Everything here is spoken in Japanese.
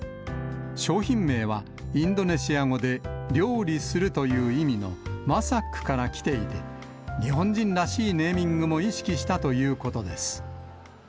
商品名はインドネシア語で、料理するという意味のマサックから来ていて、日本人らしいネーミングも意識したということです。